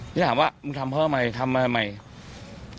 ที่ถามว่ามึงทำเพราะอะไรทำอะไรทำไม